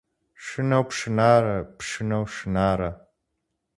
Шынэу пшынарэ, пшынэу шынарэ.